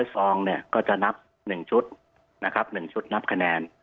๖๐๐ซองก็จะนับ๑ชุดนับคะแนน